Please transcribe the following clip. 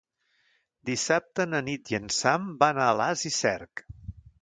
Dissabte na Nit i en Sam van a Alàs i Cerc.